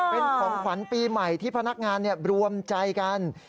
เป็นของขวัญปีใหม่ที่พนักงานรวมใจกัน